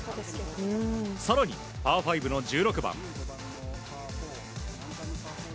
更に、パー５の１６番。